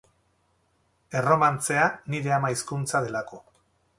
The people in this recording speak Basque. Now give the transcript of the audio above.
Erromantzea nire ama hizkuntza delako.